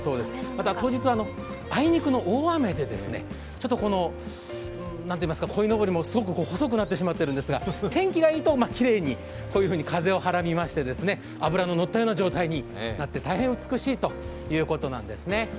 また当日は、あいにくの大雨でこいのぼりもすごく細くなってしまっているんですが、天気がいいと、きれいにこういうふうに風をはらみまして脂ののったような状態になって大変美しいということなんですね。